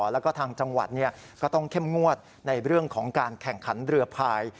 แล้วก็ทางจังหวัดก็ต้องเข้มงวดในเรื่องของการแข่งขันเรือพาย